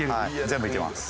全部いけます。